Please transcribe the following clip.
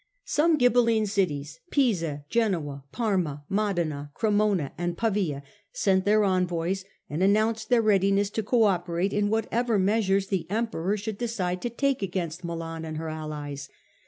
Some Ghibelline cities Pisa, Genoa, Parma, Modena, Cremona and Pavia sent their envoys and announced their readiness to co operate in whatever measures the Emperor should decide to take against Milan and her allies.